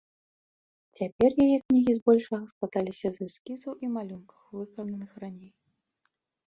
Цяпер яе кнігі збольшага складаліся з эскізаў і малюнкаў, выкананых раней.